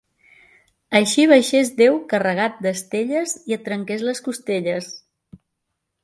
Així baixés Déu carregat d'estelles i et trenqués les costelles!